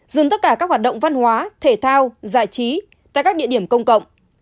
dừng tất cả các hoạt động văn hóa thể thao giải trí tại các địa điểm công cộng